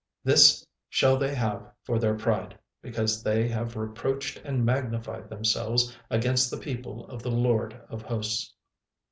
36:002:010 This shall they have for their pride, because they have reproached and magnified themselves against the people of the LORD of hosts.